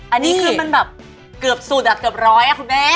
อันนี้คือมันแบบเกือบสุดอ่ะเกือบร้อยอ่ะคุณแม่